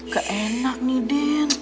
gak enak nih den